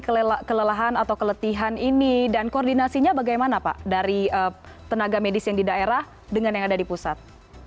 kelelahan atau keletihan ini dan koordinasinya bagaimana pak dari tenaga medis yang di daerah dengan yang ada di pusat